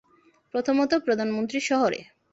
প্রথমত, প্রধানমন্ত্রী শহরে।